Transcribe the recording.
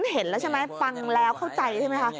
เห็นแล้วใช่ไหมฟังแล้วเข้าใจใช่ไหมคะ